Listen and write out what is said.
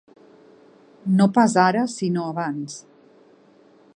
No pas ara sinó abans.